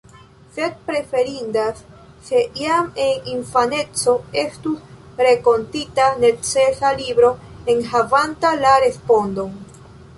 Sed preferindas, se jam en infaneco estus renkontita necesa libro, enhavanta la respondon.